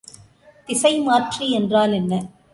திசைமாற்றி என்றால் என்ன?